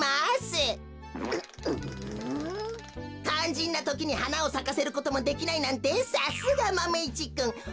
かんじんなときにはなをさかせることもできないなんてさすがマメ１くん。